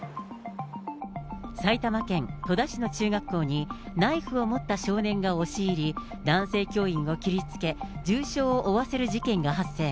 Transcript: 埼玉県戸田市の中学校にナイフを持った少年が押し入り、男性教員を切りつけ、重傷を負わせる事件が発生。